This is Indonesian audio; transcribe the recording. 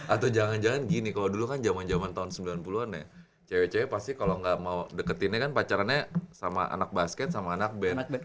atau jangan jangan gini kalau dulu kan zaman zaman tahun sembilan puluh an ya cewek cewek pasti kalau nggak mau deketinnya kan pacarannya sama anak basket sama anak band